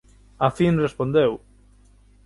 Á fin respondeu: